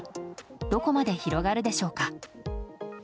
どこまで広がるでしょうか。